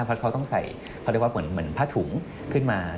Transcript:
เพราะเขาต้องใส่เขาเรียกว่าเหมือนผ้าถุงขึ้นมา